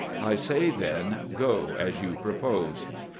I say, then, go as you propose."